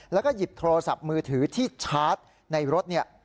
แล้วก็หยิบโทรศัพท์มือถือที่ชาร์จในรถเนี่ย